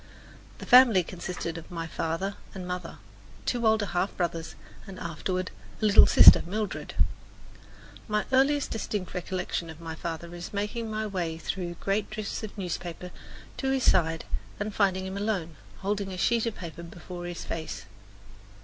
The family consisted of my father and mother, two older half brothers, and, afterward, a little sister, Mildred. My earliest distinct recollection of my father is making my way through great drifts of newspapers to his side and finding him alone, holding a sheet of paper before his face.